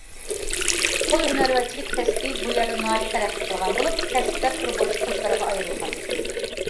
قول ھۈنەرۋەنچىلىك كەسپى بۇ يەردە ناھايىتى تەرەققىي قىلغان بولۇپ، كەسىپلەر تۈرى بويىچە كوچىلارغا ئايرىلغان.